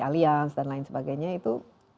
alias dan lain sebagainya itu